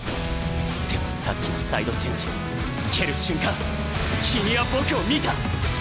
でもさっきのサイドチェンジ蹴る瞬間君は僕を見た！